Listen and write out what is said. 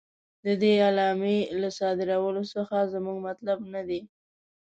د دې اعلامیې له صادرولو څخه زموږ مطلب نه دی.